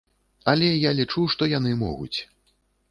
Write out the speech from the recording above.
Але я лічу, што яны могуць.